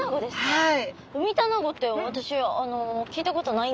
はい。